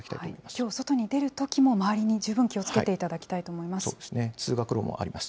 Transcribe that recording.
きょう、外に出るときも、周りに十分気をつけていただきたい通学路もあります。